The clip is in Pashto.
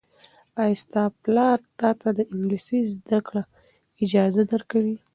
ایا ستا پلار تاته د انګلیسي زده کړې اجازه درکوي؟